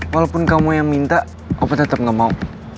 walaupun kamu yang minta opa tetep gak mau